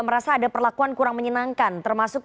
merasa ada perlakuan kurang menyenangkan termasuk